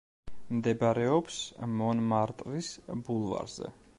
მდებარეობს მონმარტრის ბულვარზე.